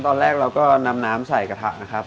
ตอนแรกเราก็นำน้ำใส่กระทะนะครับ